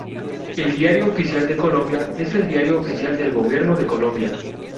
El Diario Oficial de Colombia es el Diario Oficial del Gobierno de Colombia.